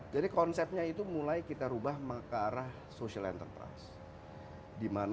jadi konsepnya itu mulai kita ubah ke arah social enterprise